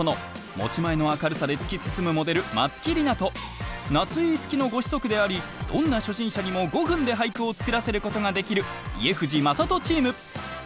持ち前の明るさで突き進むモデルまつきりなと夏井いつきのご子息でありどんな初心者にも５分で俳句を作らせることができる家藤正人チーム。